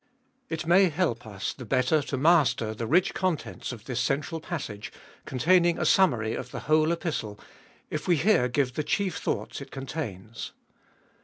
IT may help us the better to master the rich contents of this central passage, containing a summary of the whole Epistle, if we here give the chief thoughts it contains.